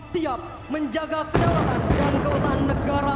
siap menjaga kedaulatan dan keutuhan negara